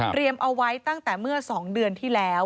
เอาไว้ตั้งแต่เมื่อ๒เดือนที่แล้ว